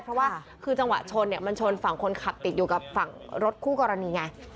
เพราะว่าคือจังหวะชนเนี่ยมันชนฝั่งคนขับติดอยู่กับฝั่งรถคู่กรณีไง